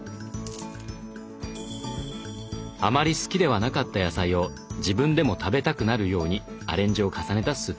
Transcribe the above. あまり好きではなかった野菜を自分でも食べたくなるようにアレンジを重ねたスープ。